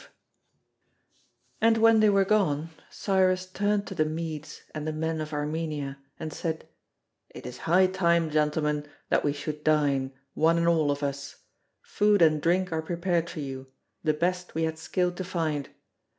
5] And when they were gone, Cyrus turned to the Medes and the men of Armenia, and said, "It is high time, gentlemen, that we should dine, one and all of us; food and drink are prepared for you, the best we had skill to find.